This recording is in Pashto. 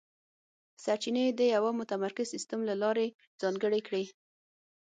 سرچینې یې د یوه متمرکز سیستم له لارې ځانګړې کړې.